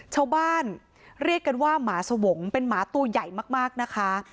ชาวบ้านเรียกกันว่าหมาสวงศ์เป็นหมาตัวใหญ่มากนะคะ